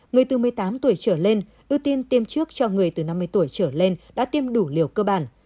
người từ một mươi tám tuổi trở lên ưu tiên tiêm trước cho người từ năm mươi tuổi trở lên đã tiêm đủ liều cơ bản